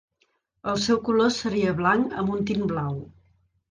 El seu color seria blanc amb un tint blau.